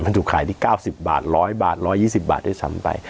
มันถูกขายที่๙๐บาท๑๐๐บาท๑๒๐บาทด้วยซ้ำไป